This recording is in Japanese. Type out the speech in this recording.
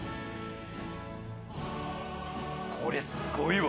これすごいわ！